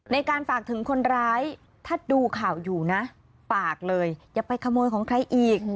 ในการฝากถึงคนร้ายถ้าดูข่าวอยู่นะปากเลยอย่าไปขโมยของใครอีก